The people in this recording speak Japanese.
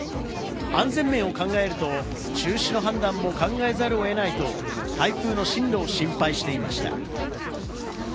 安全面を考えると、中止の判断も考えざるを得ないと台風の進路を心配していました。